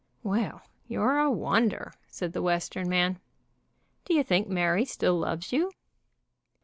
"Well, you're a wonder," said the Western man. "Do you think Mary still loves you?"